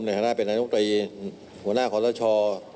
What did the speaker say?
ในฐานะเป็นนักยกตรีหัวหน้าของประชุมคนไทยทุกคน